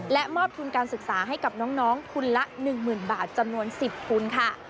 และมอบทุนการศึกษาให้กับน้องทุนละ๑๐๐๐บาทจำนวน๑๐ทุนค่ะ